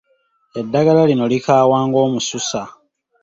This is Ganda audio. Eddagala lino likaawa nga Omususa.